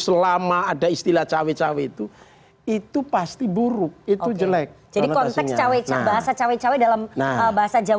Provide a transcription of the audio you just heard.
selama ada istilah cawe cawe itu itu pasti buruk itu jelek jadi konteks cawe cawe bahasa cawe cawe dalam bahasa jawa